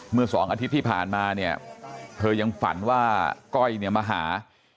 เมื่อ๒อาทิตย์ที่ผ่านมาเนี่ยเธอยังฝันว่าก้อยเนี่ยมาหา